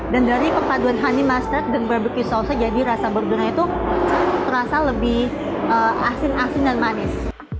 dan dari kepaduan honey mustard dan barbecue sauce nya jadi rasa burgernya itu terasa lebih asin asin dan manis